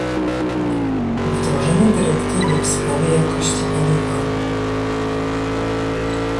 Wdrożenie dyrektywy w sprawie jakości paliwa